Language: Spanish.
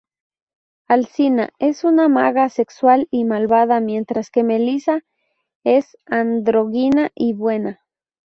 Alcina es una maga sexual y malvada, mientras que Melissa es andrógina y buena.